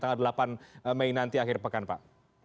tanggal delapan mei nanti akhir pekan pak